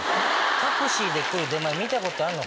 タクシーで来る出前見たことあんの？